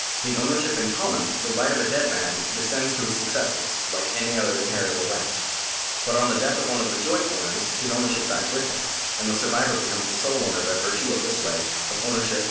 In ownership in common the right of a dead man descends to his successors like any other inheritable right. But on the death of one of two joint owners his ownership dies with him, and the survivor becomes the sole owner by virtue of this right of survivorship or jus accrescendi. § 90. Trust and Beneficial Ownership.